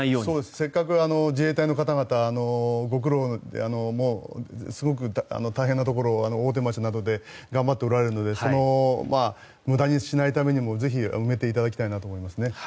せっかく自衛隊の方々のご苦労ですごく大変なところを大手町などで頑張っておられるので無駄にしないためにもぜひ、埋めていただきたいなと思いますね。